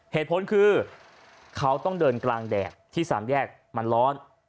เหตุผลคือเขาต้องเดินกลางแดดที่สามแยกมันร้อน